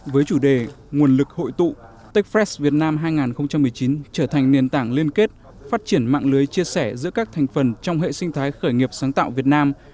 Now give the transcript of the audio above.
với chủ đề nguồn lực hội tụ techfest việt nam hai nghìn một mươi chín trở thành nền tảng liên kết phát triển mạng lưới chia sẻ giữa các thành phần trong hệ sinh thái khởi nghiệp sáng tạo việt nam